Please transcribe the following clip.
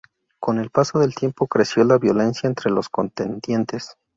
Con el paso del tiempo creció la violencia entre los contendientes.